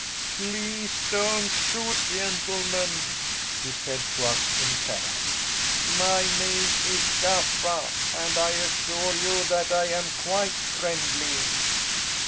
"Please don't shoot, gentlemen," he said to us in Terran. "My name is Gaffa, and I assure you that I am quite friendly."